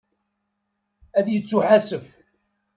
Ad yettuḥasef.